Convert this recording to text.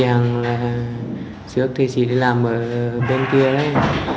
vì bọn em chàng là trước thì chỉ đi làm ở bên kia đấy